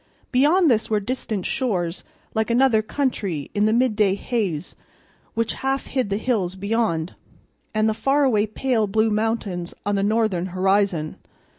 Beyond this were distant shores like another country in the midday haze which half hid the hills beyond, and the faraway pale blue mountains on the northern horizon.